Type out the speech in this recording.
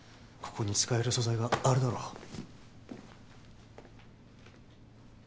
ここに使える素材があるだろう？